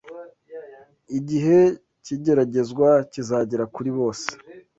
Igihe cy’igeragezwa kizagera kuri bose